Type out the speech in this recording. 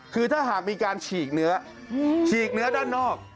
คือถ้าหากมีการฉีกเนื้อฉีกเนื้อด้านนอก